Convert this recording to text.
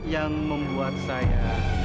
yang membuat saya